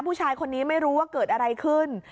ผู้ชายคนนี้ไม่รู้ว่าเกิดอะไรขึ้น